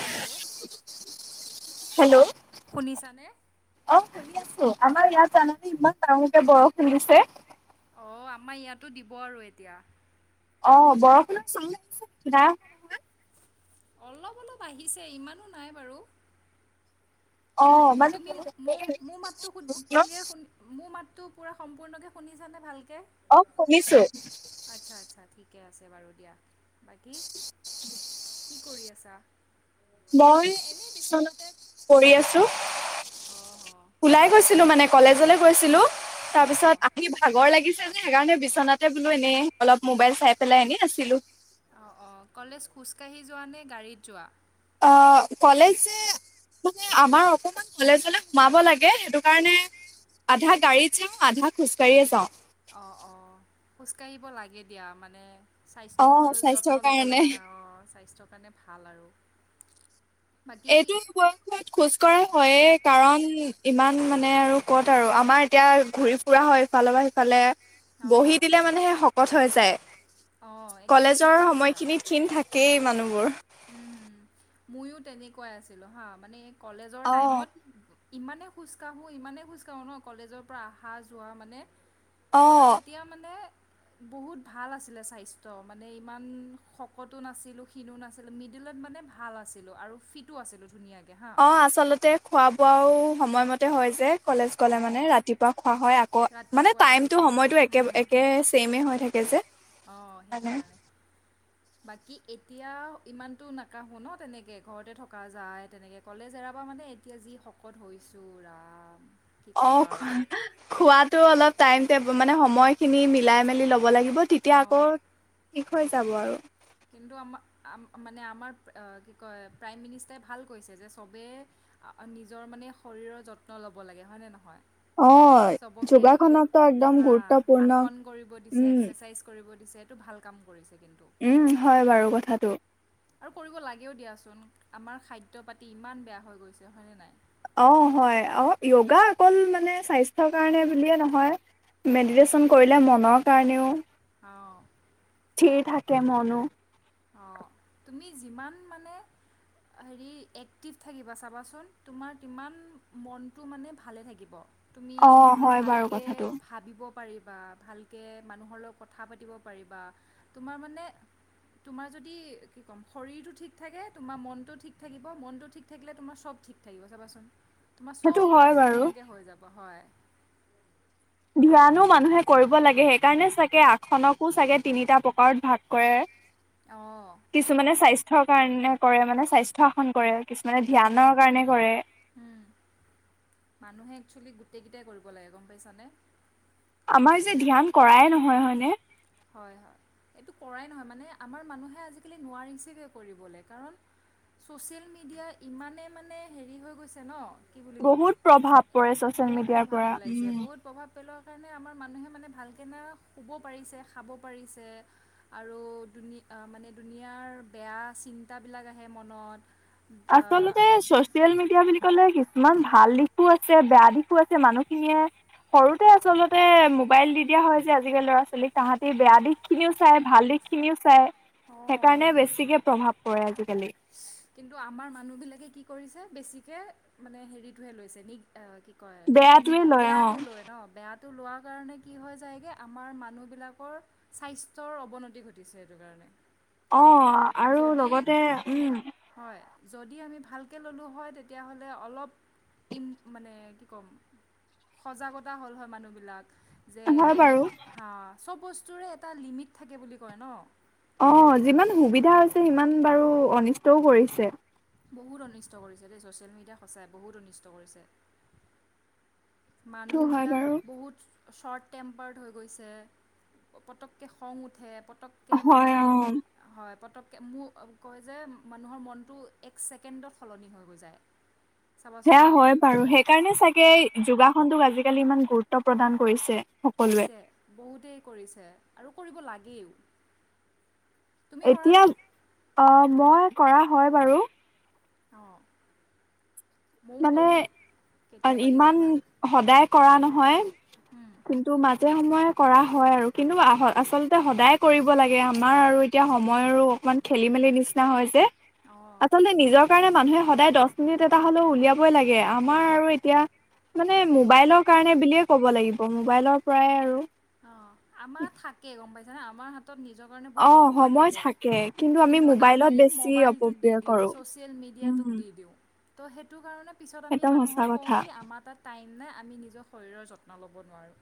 Hello hello শুনিছানে অ শুনি আছো আমাৰ ইয়াত জানানে ইমান ডাঙৰকে বৰষুণ দিছে অ আমাৰ ইয়াতো দিব আৰু এতিয়া অ বৰষুণৰ চুম আহিছে নেকি নাই নহয় অলপ অলপ আহিছে ইমানো নাই বাৰু অ মানে তুমি বহুত মোৰ মোৰ মাতটো ক্লিয়াৰ শুনি মোৰ মাতটো তো পুৰা সম্পূৰ্ণকে শুনি চালে ভালকে অ শুনিছো আচ্ছা ঠিকে আছে বাৰু দিয়া বাকী কি কৰি আছা মই এনে বিছনাতে পৰি আছো অঁ অঁ ওলাই গৈছিলো মানে কলেজলৈ গৈছিলোঁ তাৰ অঁ পিছত অঁ আহি ভাগৰ লাগিছে যে সেইকাৰণে বিচনাতে বোলো এনেই অলপ মোবাইল চাই পেলাই এনেই আছিলো অ অ কলেজ খোজকাাঢ়ি যোৱা নে গাড়ীত যোৱা অ কলেজ যে মানে আমাৰ অকণমান কলেজলে সোমাব লাগে সেইটো কাৰণে আধা গাড়ীত যাওঁ আধা খোজকাঢ়িয়ে যাওঁ অঁ অঁ খোজকাঢ়িব লাগে দিয়া মানে অ স্বাস্থ্যৰ যত্ন স্বাস্থ্যৰ ল'ব কাৰণে লাগে ন অঁ স্বাস্থ্য কাৰণে ভাল আৰু বাকী এইটো বয়সত খোজ কঢ়া হয়য়ে কাৰণ ইমান মানে আৰু ক'ত আৰু আমাৰ এতিয়া ঘূৰি ফুৰা হয় ইফালৰ পৰা সিফালে অঁ বহি দিলে মানেহে শকত হৈ যায় অঁ একদম ঠিক কলেজৰ কৈছা সময়খিনিত ক্ষিণ থাকেই মানুহবোৰ উম হম মইও তেনেকুৱাই আছিলো হা মানে কলেজৰ অ টাইমত ইমানে খোজ কাঢ়ো ইমানে খোজ কাঢ়ো ন কলেজৰ পৰা অহা যোৱা মানে অ ত' তেতিয়া মানে বহুত ভাল আছিলে স্বাস্থ্য মানে ইমান শকতো নাছিলো ক্ষিনো নাছিলো মিডোলত মানে ভাল আছিলো আৰু ফিটো আছিলো ধুনীয়াকে অঁ আচলতে খোৱা বোৱাও সময়মতে হয় যে কলেজ গলে মানে অঁ ৰাতিপুৱা খোৱা হয় আকৌ মানে ৰাতিপুৱা আহি টাইমটো, পিনে সময়তো একে, উম, একে ছেম হয় থাকে যে অঁ সেইটো মানে কাৰণে বাকী এতিয়া ইমানতটো নাকাহো ন তেনেকৈ ঘৰতে থকা যায় তেনেকে কলেজ এৰাব মানে এতিয়া যি শকত হৈছোঁ ৰাম কি অঁ ক'বা আৰু খোৱাতো অলপ টাইম টে মানে সময়খিনি মিলাই মেলি ল'ব লাগিব তেতিয়া অঁ আকৌ ঠিক হৈ যাব আৰু কিন্তু আমাৰ মানে আমাৰ কি কয় প্ৰাইম মিনিষ্টাৰে ভাল কৈছে যে চবেই নিজৰ মানে শৰীৰৰ যত্ন ল'ব লাগে হয়নে নহয় অ চবকে যো যোগাসনতো একদম হা গুৰুত্বপূৰ্ণ আসন কৰিব দিছে উম এক্সাৰচাইজ কৰিব দিছে এইটো ভাল কাম কৰিছে কিন্তু উম হয় বাৰু কথাটো আৰু কৰিব লাগেও দিয়াচোন আমাৰ খাদ্য পাতি ইমান বেয়া হৈ গৈছে হয়নে নাই অ হয় অ যগা অকল মানে স্বাস্থ্যৰ কাৰণে বুলিয়ে নহয় মেডিটেশ্যন কৰিলে মনৰ কাৰণেও অঁ স্থিৰ থাকে মনো অ তুমি যিমান মানে হেৰি এক্টিভ থাকিবা চাবাচোন তোমাৰ হিমান মনটো মানে ভালে থাকিব তুমি অ হয় বাৰু ভালকৈ কথাটো ভাবিব পাৰিবা ভালকে কথা পাতিব পাৰিবা, তোমাৰ মানে তোমাৰ যদি কি কম, শৰীৰটো ঠিক থাকে তোমাৰ মনটো ঠিক থাকিব, পৰা মনটো ঠিক থাকিলে তোমাৰ চব ঠিক থাকিব, চাবাচোন। তোমাৰ সেইটো চব হয় কাম বাৰু ধুনীয়াকে হৈ যাব হয়। ধ্যনো মানুহে কৰিব লাগে সেইকাৰণে চাগে আসখনকো চাগে তিনিটা প্ৰকাৰত ভাগ কৰে। অঁ কিছুমানে স্বাস্থ্য স্বাস্থ্য কাৰণে কৰে মানে স্বাস্থ্য আসন কৰে কিছুমানে [unintelligible] ধ্যানৰ কাৰণে কৰে উ মানুহে একছোৱলী গোটেই কেইটাই কৰিব লাগে গম পাইছানে? আমাৰ যে ধ্যান কৰাই নহয় হয়নে হয় হয় এইটো কৰাই নহয় মানে আমাৰ হয় এইটো মানুহে আজিকালি নোৱাৰিছেগৈ কৰিবলৈ কাৰণ ছ'চিয়েল মিডিয়া ইমানেই মানে হেৰি হৈ গৈছে ন কি বুলি ক'ম বহুত প্ৰভাৱ পৰে ছচিয়েল মিডিয়াৰ পৰা উম সেইকাৰণে আমাৰ মানুহে মানে ভালকৈনে শুব পাৰিছে খাব পাৰিছে আৰু মানে দুুনীয়াৰ বেয়া চিন্তাবিলাক আহে মনত আ, আচলতে চচিয়েল মিডয়া বুলি ক'লে কি কিছুমান ভাল দিশো আছে বেয়া দিশো আছে মানুহখিনিয়ে সৰুতে আচলতে মোবাইল দি দিয়া হয় যে আজিকালি ল'ৰা ছোৱালীক তাহাঁতি বেয়া দিশ খিনিও চাই ভাল দিশ খিনিও চাই অঁ সেইকাৰণে সেইটো বেছিকে প্ৰভাৱ পৰাজিত [unintelligible] কিন্তু আমাৰ মান মানুহ বিলাকে কি কৰিছে বেছিকে মানে হেৰিটোহে লৈছে নি কয় বেয়াটোৱে লয় বেয়া অ টো লয় ন বেয়া টো লোৱা কাৰণে কি হয় যায়গৈ আমাৰ মানুহবিলাকৰ স্বাস্থ্যৰ অৱনতি ঘটিছে সেইটো কাৰণে অ আৰু যদি লগতে উম হয় যদি আমি ভালকৈ ল'লোঁ হয় তেতিয়াহ'লে অলপ ইম মানে কি ক'ম সজাগতা হ'ল হয় মানুহবিলাক যে হয় বাৰু কেনেকে হা চব বস্তুৰে এটা লিমিট থাকে বুলি কয় ন অ যিমান সুবিধা হৈছে সিমান বাৰু অনিষ্টও কৰিছে বহুত অনিষ্ট কৰিছে দেই ছ'চিয়েল মিডিয়া সঁচাই বহুত অনিষ্ট কৰিছে সেইটো মানুহ হয় বিলাক বাৰু বহুত শ্বৰ্ট টেম্পাৰ্ড হৈ গৈছে পটককৈ খং উঠে পটককৈ মানে হয় অ হয় পটক মোৰ কয় যে মানুহৰ মনটো এক ছেকেণ্ডত সলনি হৈ গৈ যায় চাবাচোন সেয়া হয় বাৰু সেইকাৰণে চাগে যোগাসনটোক আজিকালি ইমান গুৰুত্ব প্ৰদান কৰিছে সকলোৱে। দিছে বহুতেই কৰিছে আৰু কৰিব লাগেও তুমি এতিয়া কৰানে অ মই কৰা হয় বাৰু অ মানে অ ইমান কেতিয়াবা সদায় কৰা নহয় উম, কিন্তু মাজে সময়ত কৰা হয় আৰু কিন্তু আচলতে সদায় কৰিব লাগে আমাৰ আৰু এতিয়া সময়ৰো অকণমান খেলি মেলি নিচিনা হয় যে অঁ আচলতে নিজৰ কাৰণে মানুহে সদায় দহ মিনট এটা হ'লেও উলিয়াবই লাগে আমাৰ আৰু এতিয়া মানে মোবাইলৰ কাৰণে বুলিয়ে ক'ব লাগিব মোবাইলৰ পৰাই আৰু অ আমাৰ থাকে গম পাই নে আমাৰ হাতত নিজৰ কাৰণে অ' বহুত সময় থাকে কিন্তু আমি মোবাইলত বেছি মোবাইলটোত দি অপব্যয় দিওঁ কৰো। ছ'চিয়েল মিডিয়াটোক উম। দি দিওঁ তো সেইটো কাৰণে পিছত আমি একদম সঁচা মানুহক কওঁ কথা কি আমাৰ তাত টাইম নাই আমি নিজৰ শৰীৰৰ যত্ন ল'ব নোৱাৰোঁ।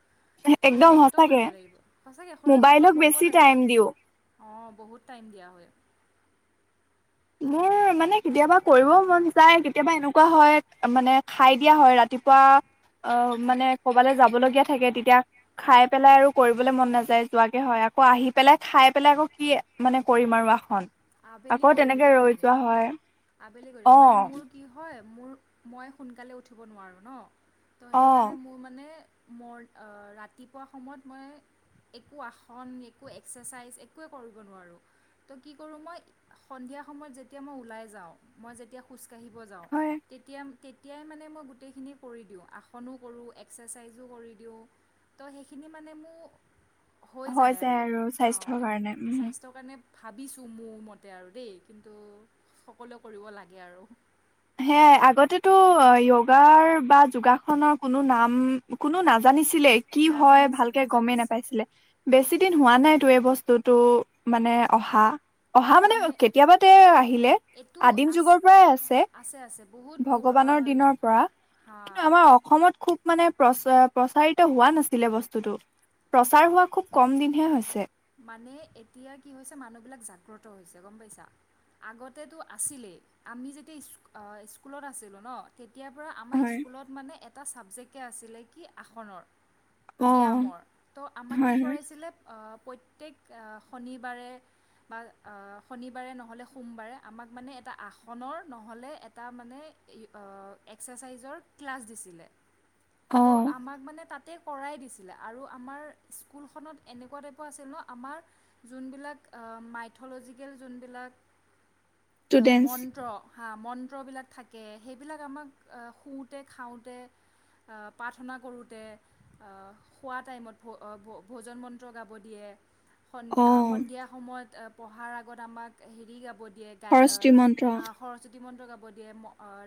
শৰীৰৰ একদম। যত্ন সঁচাকে ল'ব লাগিব সচাকে শৰীৰ যত্ন মোবাইলক ল'ব বেছি লাগে। টাইম দিও। অ বহুত টাইম দিয়া হয়। মোৰ মানে কেতিয়াবা কৰিব মন যায় কেতিয়াবা এনেকুৱা হয় মানে খাই দিয়া হয় ৰাতিপুৱা। অ উম, মানে ক'বালৈ যাবলগীয়া। থাকে তেতিয়া খাই পেলাই আৰু কৰিবলৈ মন নাযায় যোৱাকে হয় আকৌ আহি পেলাই খাই পেলাই আকৌ কি মানে কৰিম আৰু আসন। আবেলি আবেলি আকৌ কৰি তেনেকে দিবা ৰৈ তুমি যোৱা হয় আবেলি কৰিবা তুমি। মানে অ' মোৰ কি হয়। মোৰ মই সোনকালে উঠিব নোৱাৰোঁ ন। ত' সেইটো কাৰণে অ' মোৰ মানে। মই ৰাতিপুৱা সময়ত মই একো আসন একো এক্সাৰচাইজ একোৱে কৰিব নোৱাৰোঁ ত' কি। মই সন্ধিয়া সময়ত যেতিয়া মই ওলাই যাওঁ মই যেতিয়া। কাঢ়িব যাওঁ হয় তেতিয়া। তেতিয়াই মানে মই গোটেইখিনি কৰি দিওঁ আসনো কৰোঁ এক্সাৰচাইজো কৰি দিওঁ ত সেইখিনি মানে মোৰ। হৈ যায় আৰু হা স্বাস্থ্যৰ কাৰণে। ভাবিছোঁ মোৰ মতে আৰু দেই কিন্তু সকলোৱে কৰিব লাগে আৰু। সেয়া আগতেতো য়গাৰ বা যোগাসনৰ কোনো নাম কোনো নাজানিছিল। ছিলে কি হয় নাজানিছিল ভালকে গমেই নাজানিছিল নাপাইছিলে। বেছি দিন হোৱা নাই তো এই বস্তুতটো মানে অহা। অহা মানে কেতিয়াবা তে আহিলে এইটো আদিম আছ যুগৰ পৰাই আছে। আছে বহুত পুৰ ভগৱানৰ দিনৰ পৰা হা কিন্তু আমাৰ অসমত খুব। মানে প্ৰচ প্ৰচাৰিত হোৱা নাছিলে বস্তুতটো প্ৰচাৰ হোৱা খুব কম দিনহে হৈছে। মানে এতিয়া কি হৈছে মানুহ বিলাক জাগ্ৰত হৈছে গম পাইছা আগতেতো আছিলেই আমি যেতিয়া স্কুলত আছিলো ন তেতিয়া তেতিয়াৰ পৰা আমাৰ হয় স্কুলত মানে এ এটা ছাবজেক্টে আছিলে কি আসনৰ। অ ব্যায়ামৰ ত' আমাক কি হয় হয় কৰিছিলে অ। প্ৰত্যেক শনিবাৰে বা শনিবাৰে নহ'লে সোমবাৰে আমাক মানে এটা আসনৰ নহ'লে এটা মানে এক্সাৰচাইজৰ ক্লাছ দিছিলে। অ ত' আমাক মানে তাতে। কৰাই দিছিলে আৰু আমাৰ স্কুলখনত এনেকুৱা টাইপৰ আছিল ন। আমাৰ যোনবিলাক মাইথ'লজিকেল যোনবিলাক। আহ ষ্টুডেন্টছ মন্ত্ৰ। হা মন্ত্ৰবিলাক থাকে সেইবিলাক আমাক শুওঁতে খাওঁতে প্ৰাৰ্থনা কৰোঁতে খোৱা টাইমত ভ ভোজন মন্ত্ৰ গাব দিয়ে। অ স সন্ধিয়া সময়ত। পঢ়াৰ আগত আমাক হেৰি গাব দিয়ে গাই সৰস্বতী মন্ত্ৰ আহ সৰস্বতী মন্ত্ৰ গাব দিয়ে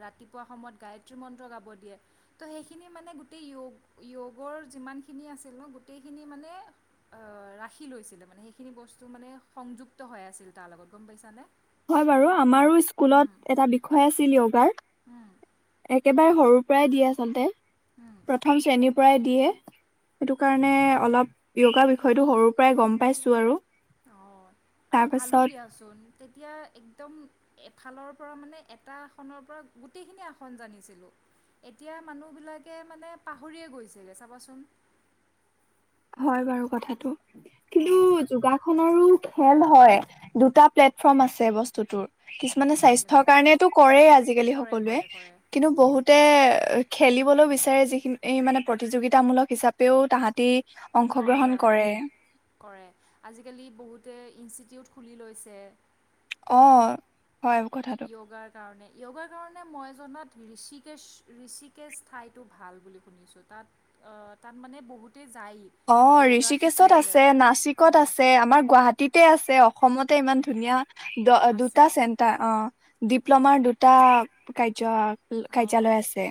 ৰাতিপুৱা সময়ত গায়ত্ৰী মন্ত্ৰ গাব দিয়ে ত' সেইখিনি মানে গোটেই যগৰ যিমানখিনি আছিল ন গোটেইখিনি মানে কি লৈছিলে মানে সেইখিনি বস্তু মানে সংযুক্ত হৈ আছিল তাৰ লগত গম পাইছানে হয় বাৰু আমাৰো স্কুলত এটা বিষয় আছিল য়োগাৰ উম একেবাৰে সৰুৰ পৰাই দিয়ে আচলতে উম, প্ৰথম শ্ৰেণীৰ পৰাই দিয়ে সেইটো কাৰণে অলপ য়োগা বিষয়টো সৰুৰ পৰাই গম পাইছো আৰু অ আৰু ভালো তাৰপাছত দিয়াচোন তেতিয়া একদম এফালৰ পৰা মানে এটা আসনৰ পৰা গোটেইখিনি আসন জানিছিলোঁ এতিয়া মানুহবিলাকে মানে পাহৰিয়ে গৈছিলে চাবাচোন হয় বাৰু কথাটো কিন্তু অঁ যোগাসনৰো খেল হয় দুটা প্লেটফৰ্ম আছে বস্তুতোৰ কিছুমানে দুটা প্লেট স্বাস্থ্যৰ অঁ কাৰণেটো‌ কৰেই আজিকালি কৰে সকলোৱে কৰে কৰে কিন্তু বহুতে খেলিবলৈ বিচাৰে যিখিনি এই মানে প্ৰতিযোগিতামূলক হিচাপেও তাহাঁতি অ অংশগ্ৰহণ লয় কৰে কৰে আজিকালি বহুতে ইষ্টি- টিউত খুলি লৈছে অ হয় কথাটো য়োগাৰ কাৰণে য়োগাৰ কাৰণে মই জনাত ঋষিকেশ ঋষিকেশ ঠাইতটো ভাল বুলি শুনিছোঁ তাত তাত মানে বহুত অ ঋষিকেশত আছে নাচিকত আছে আমাৰ গুৱাহাটীতে আছে অসমতে ইমান ধুনীয়া দ আছে দুটা আছে চেণ্টাৰ অ ডিপ্ল'মাৰ দুটা কাৰ্য অঁ কাৰ্যালয় আছে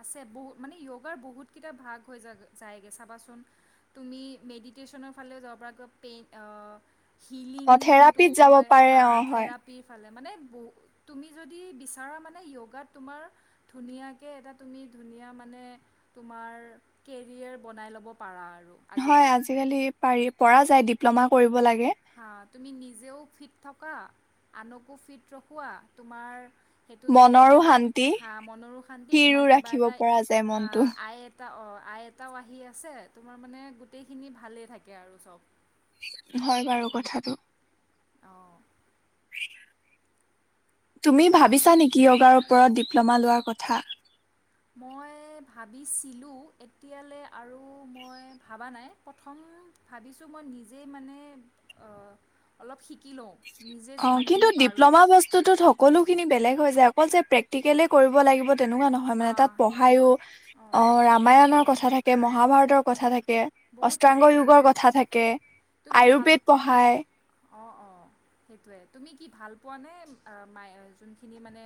আছে মানে উঅগাৰ বহুতকেইটা ভাগ হৈ যায়গ চাবাচোন তুমি মেডিটেশনৰ ফালে যাব পৰা পেই হিলিং অ যোনটো থেৰাপিত যাব কয় পাৰে হ অ হয় থেৰাপিৰ ফালে মানে ব তুমি যদি বিচাৰা মানে য়োগাত তোমাৰ ধুনীয়াকে এটা তুমি ধুনীয়া মানে তোমাৰ কেৰিয়াৰ বনাই ল'ব পাৰা আৰু হয় আজিকালি পাৰি পৰা যায় ডিপ্ল'মা কৰিব লাগে হা তুমি নিজেও ফিট থকা আনকো ফিট ৰখোৱা তোমাৰ সেইটো দ্বাৰ কিবা মনৰো এটা শান্তি হ মনৰো শান্তি স্থিৰো তোমাৰ কিবা ৰাখিব এটা পৰা যায় হা মনটো আই এটা অ আই এটাও আহি আছে তোমাৰ মানে গোটেইখিনি ভালে থাকে আৰু চব হয় বাৰু কথাটো আহ কা [unintelligible] তুমি বা ভাবিছা নেকি যোগাৰ ওপৰত ডিপ্ল'মা লোৱাৰ কথা মই ভাবিছিলোঁ এতিয়ালৈ আৰু মই ভাবা নাই প্ৰথম ভাবিছোঁ মই নিজে মানে অলপ শিকি লওঁ নিজে অ কিন্তু যিমানখিনি পাৰোঁ ডিপ্ল'মা বস্তুতত সকলো খিনি বেলেগ য অকল যে প্ৰেক্টিকেলি কৰিব লাগিব তেনেকুৱা নহয় মানে আহ, তাত সেইটো পঢ়ায়ো হয় অঁ অ পঢ়াই ৰামায়ণৰ কথা থাকে মহাভাৰতৰ কথা থাকে বহুত থাকে বহুত অস্ত্ৰাংগয়গৰ কথা থাকে তুমি ভাল আয়ুৰ্বেদ পঢ়ায় অঁ অঁ সেইটোৱে তুমি কি ভাল পোৱানে মাই যোনখিনি মানে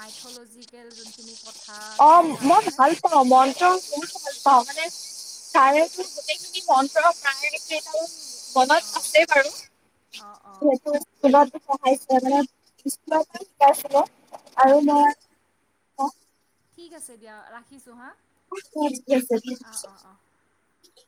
মাইথলজিকেল যোনখিনি ক অ মই ভাল পাওঁ মনটো বহুত অ মানে তাৰে তোৰ গোটেইখিনি মনাৰেখ নাই নেকি এইটো মনত অঁ আছে বাৰু অঁ অঁ যিহেতু স্কুলত মানে স্কুলৰ পৰা শিকাই আছিল আৰু ঠিক মই আছে অঁ ঠিক আছে দিয়া ৰাখিছোঁ হা থিক আছে অঁ অঁ অঁ [inaudible]